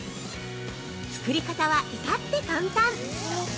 ◆作り方は至って簡単。